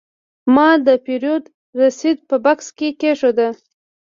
ما د پیرود رسید په بکس کې کېښود.